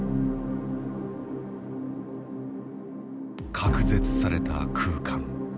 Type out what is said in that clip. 隔絶された空間。